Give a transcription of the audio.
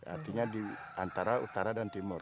artinya di antara utara dan timur